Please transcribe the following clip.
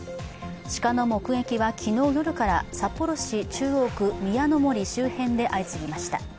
鹿の目撃は昨日夜から札幌市中央区宮の森で相次ぎました。